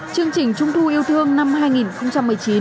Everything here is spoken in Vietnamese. chương trình trung thu yêu thương năm hai nghìn một mươi chín